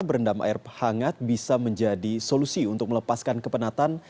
berendam air hangat bisa menjadi solusi untuk melepaskan kepenatan